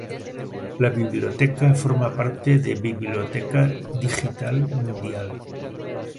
La Biblioteca forma parte de Biblioteca Digital Mundial.